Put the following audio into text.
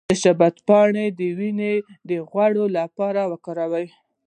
د شبت پاڼې د وینې د غوړ لپاره وکاروئ